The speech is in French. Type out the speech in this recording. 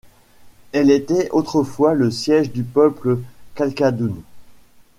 Elle était autrefois le siège du peuple Kalkadoon.